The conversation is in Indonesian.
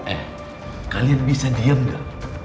eh kalian bisa diam gak